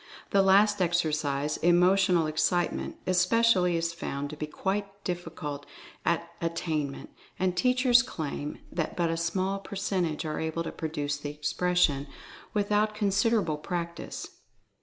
The last exercise — Emotional Excite ment — especially is found to be quite difficult of at tainment, and teachers claim that but a small percent age are able to produce the expression without consid 220 Mental Fascination erable practice.